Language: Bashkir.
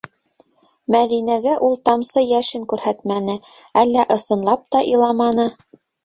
Мәҙинәгә ул тамсы йәшен күрһәтмәне - әллә ысынлап та иламаны.